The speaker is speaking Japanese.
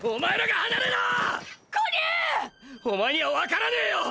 お前にはわからねぇよ！！